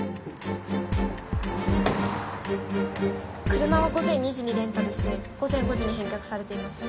車は午前２時にレンタルして午前５時に返却されています。